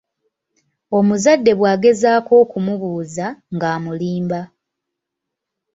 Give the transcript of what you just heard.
Omuzadde bwagezaako okumubuuza, ng'amulimba.